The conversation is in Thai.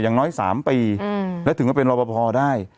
อย่างน้อยสามปีและถึงว่าเป็นรับประพอได้